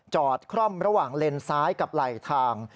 คร่อมระหว่างเลนซ้ายกับไหลทาง